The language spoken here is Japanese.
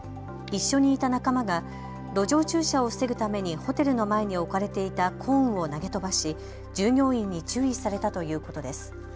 一緒にいた仲間が路上駐車を防ぐためにホテルの前に置かれていたコーンを投げ飛ばし従業員に注意されたということです。